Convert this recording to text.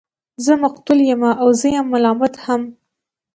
زه مقتول يمه او زه يم ملامت هم